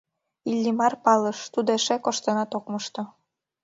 Иллимар палыш: тудо эше коштынат ок мошто.